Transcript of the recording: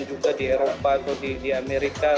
juga di eropa atau di amerika